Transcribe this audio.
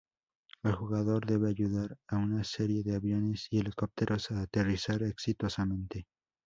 El jugador debe ayudar a una serie de aviones y helicópteros a aterrizar exitosamente.